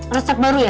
tembak baru ya